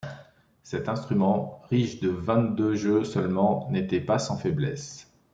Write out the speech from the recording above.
Cet instrument, riche de vingt-deux jeux seulement, n’était pas sans faiblesses.